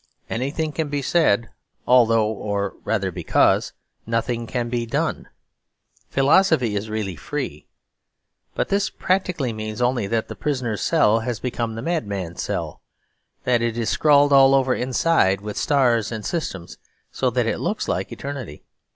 Anything can be said although, or rather because, nothing can be done. Philosophy is really free. But this practically means only that the prisoner's cell has become the madman's cell: that it is scrawled all over inside with stars and systems, so that it looks like eternity.